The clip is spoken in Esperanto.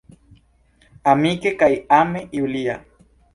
Amike kaj ame, Julia.